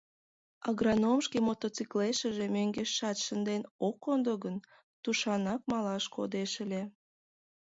Агроном шке мотоциклешыже мӧҥгешат шынден ок кондо гын, тушанак малаш кодеш ыле.